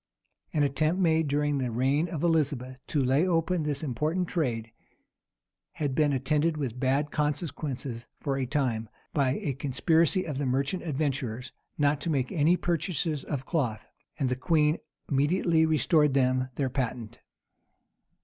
An attempt made during the reign of Elizabeth to lay open this important trade, had been attended with bad consequences for a time, by a conspiracy of the merchant adventurers not to make any purchases of cloth; and the queen immediately restored them their patent.